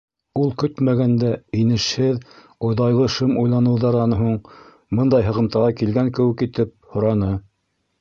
Ул көтмәгәндә, инешһеҙ, оҙайлы шым уйланыуҙарҙан һуң бындай һығымтаға килгән кеүек итеп, һораны: